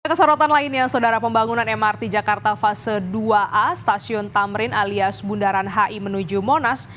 kesorotan lainnya saudara pembangunan mrt jakarta fase dua a stasiun tamrin alias bundaran hi menuju monas